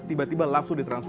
tiba tiba langsung di transfer